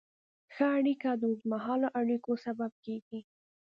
ښه اړیکه د اوږدمهاله اړیکو سبب کېږي.